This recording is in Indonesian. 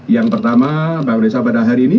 yang pertama bapak badesa pada hari ini